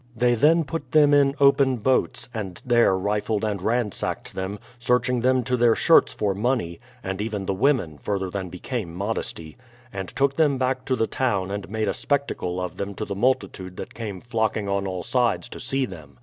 They then put them in open boats, and there rifled and ransacked them, searching them to their shirts for money, — and even the women, further than be came modesty, — and took them back to the town and made a spectacle of them to the muUitude that came flocking on all sides to see them.